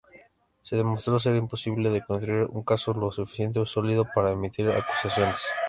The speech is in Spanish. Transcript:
Se demostró ser imposible de construir un caso lo suficientemente sólido para emitir acusaciones.